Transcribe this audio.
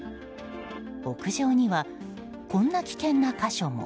屋上には、こんな危険な箇所も。